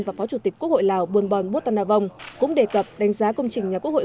và phó chủ tịch quốc hội lào buôn bon bút tân a vong cũng đề cập đánh giá công trình nhà quốc hội